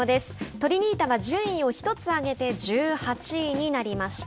トリニータは順位を１つ上げて１８位になりました。